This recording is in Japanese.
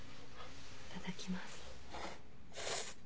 いただきます。